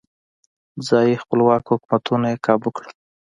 ځايي خپلواک حکومتونه یې کابو کړل.